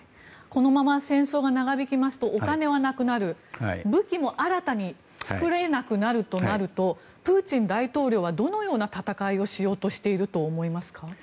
このまま戦争が長引きますとお金はなくなる武器も新たに作れなくなるとなるとプーチン大統領はどのような戦いをしようとしていると思いますか？